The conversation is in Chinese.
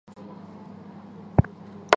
北岳是日本重要的登山圣地。